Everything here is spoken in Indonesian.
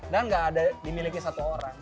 dan gak ada dimiliki satu orang